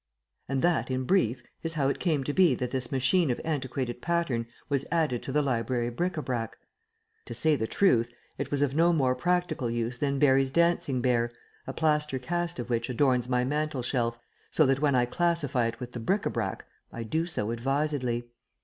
And that, in brief, is how it came to be that this machine of antiquated pattern was added to the library bric a brac. To say the truth, it was of no more practical use than Barye's dancing bear, a plaster cast of which adorns my mantel shelf, so that when I classify it with the bric a brac I do so advisedly.